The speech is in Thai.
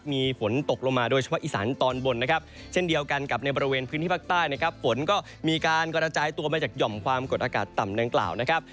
มีฝนตกลงมาโดยเฉพาะอีสานตอนบนนะครับเช่นเดียวกันกับในบริเวณพื้นที่ภาคใต้นะครับฝนก็มีการกระจายตัวมาจากหย่อมความกดอากาศต่ำดังกล่าวนะครับ